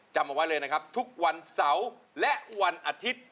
จำเอาไว้เลยนะครับทุกวันเสาร์และวันอาทิตย์